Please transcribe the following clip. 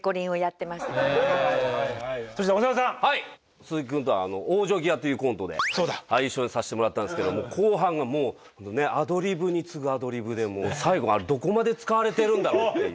鈴木君とは「往生際」というコントで一緒にさせてもらったんですけども後半がもうねアドリブに次ぐアドリブで最後どこまで使われてるんだろうっていう。